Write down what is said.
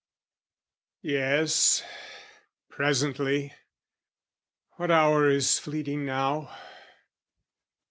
Yes, presently...what hour is fleeting now?